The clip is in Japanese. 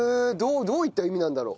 どういった意味なんだろう？